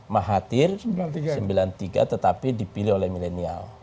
mahathir sembilan puluh tiga tetapi dipilih oleh milenial